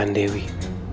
aku mau ke rumah